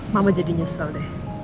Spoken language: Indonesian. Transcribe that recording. mama jadi nyesel deh